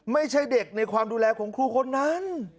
ไม่ใช่เด็กในความดูแลของครูคนนั้น